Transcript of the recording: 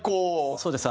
そうです。